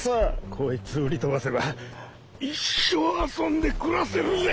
こいつを売りとばせば一生遊んでくらせるぜ。